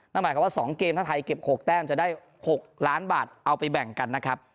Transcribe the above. นั่นหมายความว่า๒เกมถ้าไทยเก็บ๖แต้มจะได้๖ล้านบาทเอาไปแบ่งกันนะครับ